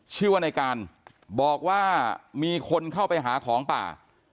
ชื่อว่าในการบอกว่ามีคนเข้าไปหาของป่า